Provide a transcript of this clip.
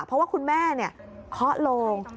เพราะว่าคุณแม่เคาะโลง